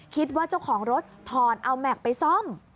คิดว่าเจ้าของรถถอดเอาแม็กซ์ไปซ่อม